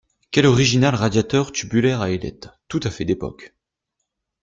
Quel original radiateur tubulaire à ailettes, tout à fait d'époque!